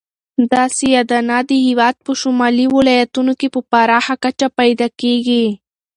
دا سیاه دانه د هېواد په شمالي ولایتونو کې په پراخه کچه پیدا کیږي.